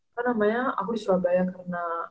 akhirnya aku di surabaya karena